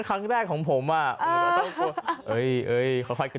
ครั้งแรกของผมว่าแต่เราต้องกล้า